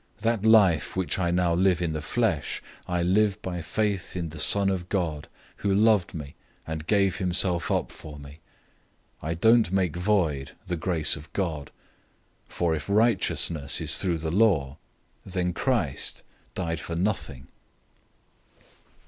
That life which I now live in the flesh, I live by faith in the Son of God, who loved me, and gave himself up for me. 002:021 I don't make void the grace of God. For if righteousness is through the law, then Christ died for nothing!"